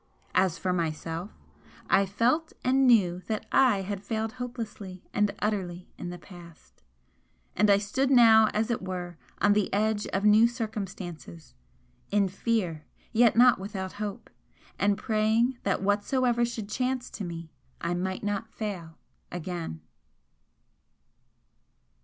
As for myself, I felt and knew that I had failed hopelessly and utterly in the past and I stood now as it were on the edge of new circumstances in fear, yet not without hope, and praying that whatsoever should chance to me I might not fail again!